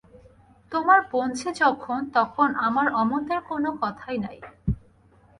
তোমার বোনঝি যখন, তখন আমার অমতের কোনো কথাই নাই।